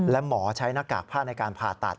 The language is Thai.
และหมอใช้หน้ากากผ้าในการผ่าตัด